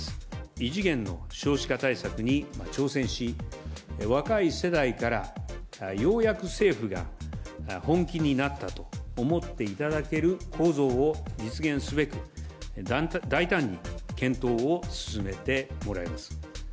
異次元の少子化対策に挑戦し、若い世代から、ようやく政府が本気になったと思っていただける構造を実現すべく、大胆に検討を進めてもらいます。